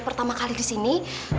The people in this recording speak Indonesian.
pertama kali di sini